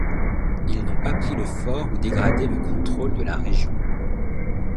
Ils n'ont pas pris le fort ou dégradé le contrôle de la région.